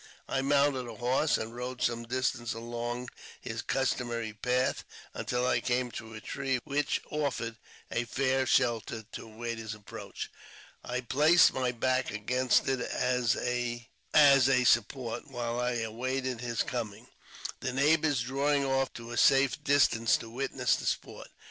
I mounted a horse, and rode some distance along his customary path, until I came to a tree which offered a fair shelter to await his approach. I placed my back against it as a support w^hile I awaited his coming, the neighbours drawing off to a safe distance to witness the sport.